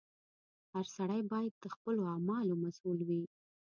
• هر سړی باید د خپلو اعمالو مسؤل وي.